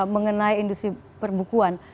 mengenai industri perbukuan